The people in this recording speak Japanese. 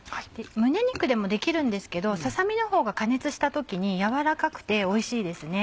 胸肉でもできるんですけどささ身のほうが加熱した時に軟らかくておいしいですね。